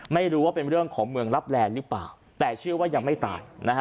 ไม่รู้ว่าเป็นเรื่องของเมืองลับแลนหรือเปล่าแต่เชื่อว่ายังไม่ตายนะฮะ